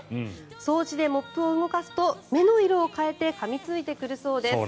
掃除でモップを動かすと目の色を変えてかみついてくるそうです。